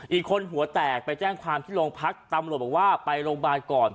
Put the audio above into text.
อีกคนหัวแตกไปแจ้งความที่โรงพักตำรวจบอกว่าไปโรงพยาบาลก่อน